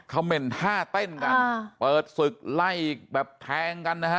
เหม็นท่าเต้นกันเปิดศึกไล่แบบแทงกันนะฮะ